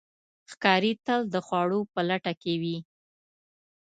ښکاري تل د خوړو په لټه کې وي.